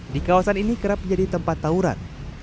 di kawasan ini kerap menjadi tempat tauran